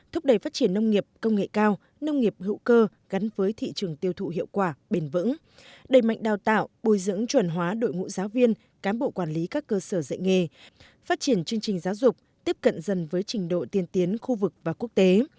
thúc đẩy phát triển nông nghiệp công nghệ cao nông nghiệp hữu cơ gắn với thị trường tiêu thụ hiệu quả bền vững đẩy mạnh đào tạo bồi dưỡng chuẩn hóa đội ngũ giáo viên cán bộ quản lý các cơ sở dạy nghề phát triển chương trình giáo dục tiếp cận dần với trình độ tiên tiến khu vực và quốc tế